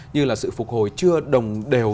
như là sự phục hồi chưa đồng đều